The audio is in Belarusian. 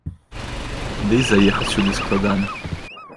Ды і заехаць сюды складана.